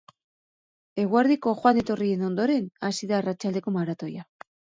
Eguerdiko joan-etorrien ondoren, hasi da arratsaldeko maratoia.